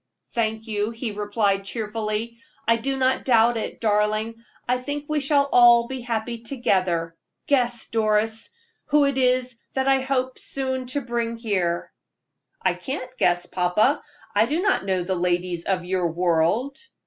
"Thank you," he replied, cheerfully; "I do not doubt it, darling. I think we shall all be happy together. Guess, Doris, who it is that I hope soon to bring here." "I can't guess, papa. I do not know the ladies of your world."